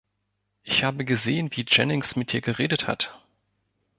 Ich habe gesehen, wie Jennings mit dir geredet hat.